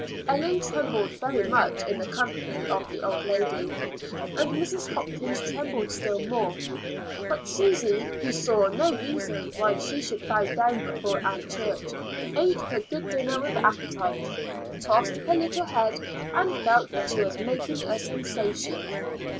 Ellen trembled very much in the company of the old lady, and Mrs. Hopkins trembled still more. But Susy, who saw no reason why she should bow down before Aunt Church, ate her good dinner with appetite, tossed her little head, and felt that she was making a sensation.